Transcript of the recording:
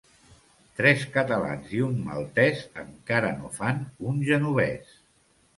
Tres catalans i un maltès encara no fan un genovès.